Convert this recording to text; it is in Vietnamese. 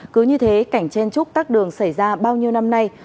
cứ như thế cảnh chen trúc tắt đường xảy ra bao nhiêu năm nay